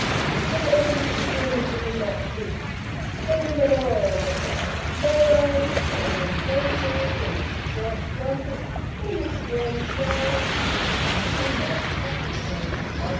And Edwin could hear Mr Enoch Peake: "Gentlemen all, Mester Arthur Smallrice, Mester Abraham Harracles, Mester Jos Rampick, and Mester James Yarlett " VOLUME ONE, CHAPTER ELEVEN.